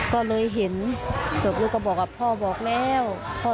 ก็เลยเห็นศพลูกก็บอกว่าพ่อบอกแล้ว